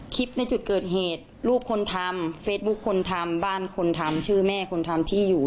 ในจุดเกิดเหตุรูปคนทำเฟซบุ๊คคนทำบ้านคนทำชื่อแม่คนทำที่อยู่